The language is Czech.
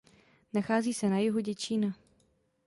Nachází se na jihu Děčína.